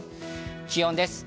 気温です。